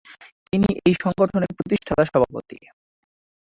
তিনি এ সংগঠনের প্রতিষ্ঠাতা সভাপতি।